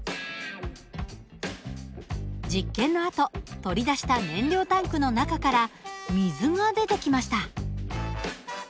実験のあと取り出した燃料タンクの中から水が出てきました。